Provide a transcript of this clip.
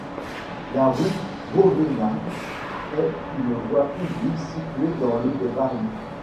La rue Vauvenargues est une voie publique située dans le de Paris.